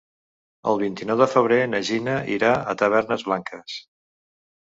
El vint-i-nou de febrer na Gina irà a Tavernes Blanques.